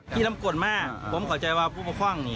รำกลมากผมเข้าใจว่าผู้ปกครองนี่